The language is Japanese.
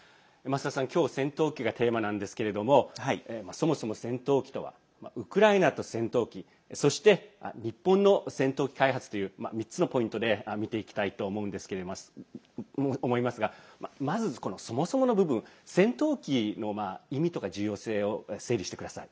今日、戦闘機がテーマなんですけどそもそも戦闘機とはウクライナと戦闘機そして日本の開発という３つのポイントで見ていきたいと思いますがまずそもそもの部分戦闘機の重要性などを整理してください。